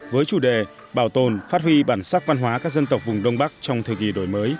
với chủ đề bảo tồn phát huy bản sắc văn hóa các dân tộc vùng đông bắc trong thời kỳ đổi mới